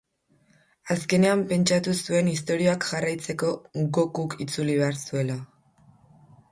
Azkenean pentsatu zuen istorioak jarraitzeko Gokuk itzuli behar zuela.